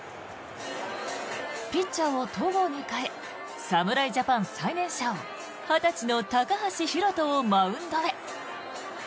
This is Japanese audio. ピッチャーを戸郷に代え侍ジャパン最年少２０歳の高橋宏斗をマウンドへ。